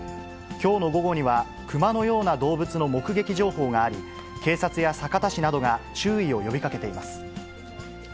きょうの午後には、熊のような動物の目撃情報があり、警察や酒田市などが注意を呼びかけています。